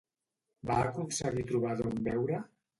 Va aconseguir trobar d'on beure?